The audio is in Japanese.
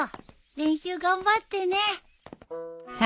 練習頑張ってね。